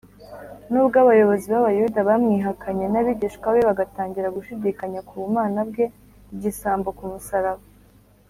nubwo abayobozi b’abayuda bamwihakanye, n’abigishwa be bagatangira gushidikanya ku bumana bwe, igisambo ku musaraba,